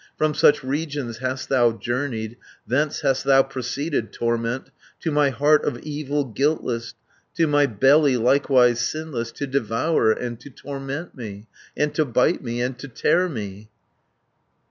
"From such regions hast thou journeyed Thence hast thou proceeded, Torment, 240 To my heart of evil guiltless, To my belly likewise sinless, To devour and to torment me, And to bite me and to tear me?